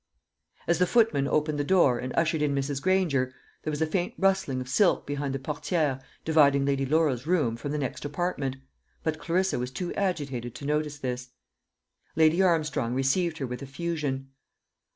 As the footman opened the door, and ushered in Mrs. Granger, there was a faint rustling of silk behind the portière dividing Lady Laura's room from the next apartment; but Clarissa was too agitated to notice this. Laura Armstrong received her with effusion.